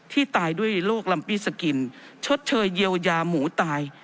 ตายด้วยโรคลัมปี้สกินชดเชยเยียวยาหมูตาย